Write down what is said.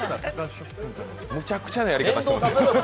むちゃくちゃなやり方をしてます。